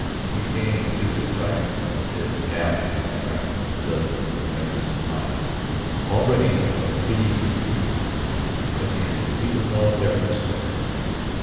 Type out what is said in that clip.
She came to the tryst, albeit half in trembling, a dozen tremulous times ready for a fleeing retreat. Again he was all deference to her.